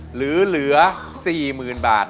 หรือเหลือ๔๐๐๐๐บาท